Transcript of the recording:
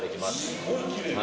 すごくきれい。